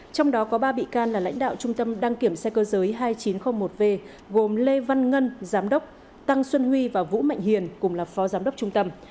trong đó có ba bị can là lãnh đạo trung tâm đăng kiểm xe cơ giới hai nghìn chín trăm linh một v gồm lê văn ngân giám đốc tăng xuân huy và vũ mạnh hiền cùng là phó giám đốc trung tâm